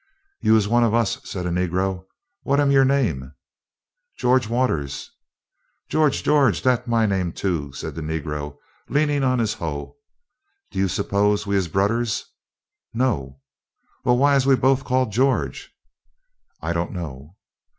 "You is one of us," said a negro. "What am your name?" "George Waters." "George George, dat am my name, too," said the negro, leaning on his hoe. "D'ye suppose we is brudders?" "No." "Well, why is we bofe called George?" "I don't know."